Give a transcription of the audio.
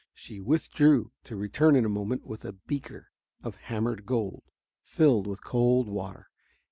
She withdrew, to return in a moment with a beaker of hammered gold, filled with cold water.